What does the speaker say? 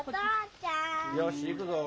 よしいくぞ。